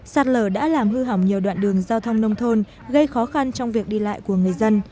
sạt lở đã làm hư hỏng nhiều đoạn đường giao thông nông thôn gây khó khăn trong việc đi lại của người dân